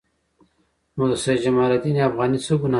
نو د سید جمال الدین افغاني څه ګناه ده.